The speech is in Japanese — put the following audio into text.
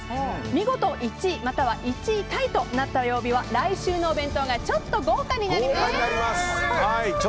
見事１位または１位タイとなった曜日は来週のお弁当がちょっと豪華になります。